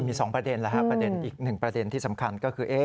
คือมี๒ประเด็นแล้วครับอีก๑ประเด็นที่สำคัญก็คือ